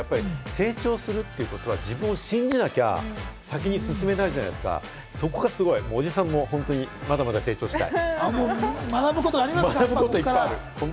成長するということは自分を信じなきゃ先に進めないじゃないですか、そこがすごい！おじさんもまだまだ成長したい。